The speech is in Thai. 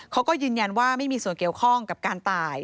เขาก็ยืนยันว่าไม่มีส่วนเกี่ยวข้องกับการตาย